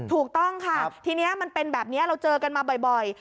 ถูกต้องค่ะทีนี้มันเป็นแบบนี้เราเจอกันมาบ่อย